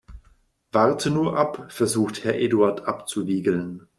Warte nur ab, versucht Herr Eduard abzuwiegeln.